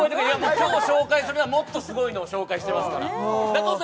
今日紹介するのはもっとすごいのを紹介してますから中尾さん